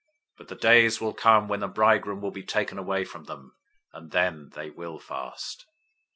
But the days will come when the bridegroom will be taken away from them, and then they will fast.